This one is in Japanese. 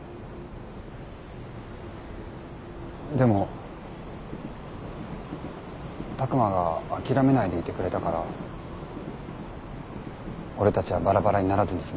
でも拓真が諦めないでいてくれたから俺たちはバラバラにならずに済んだ。